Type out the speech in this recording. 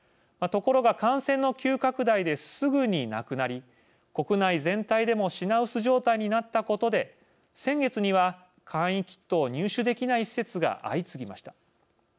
ところが感染の急拡大で、すぐになくなり国内全体でも品薄状態になったことで先月には、簡易キットを入手できない施設が相次ぎました。